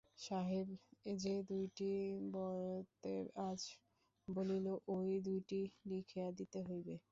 সাহেব, যে দুইটি বয়েৎ আজ বলিলে, ওই দুইটি লিখিয়া দিতে হইবে।